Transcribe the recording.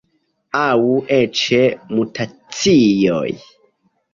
Aŭ eĉ mutacioj.